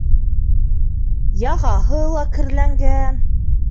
Яғаһы ла керләнгән.